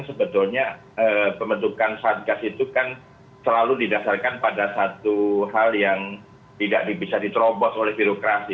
sebetulnya pembentukan satgas itu kan selalu didasarkan pada satu hal yang tidak bisa diterobos oleh birokrasi